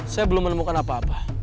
saya belum menemukan apa apa